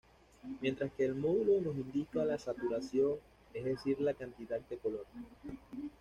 Mientras que el módulo nos indica la saturación, es decir la cantidad de color.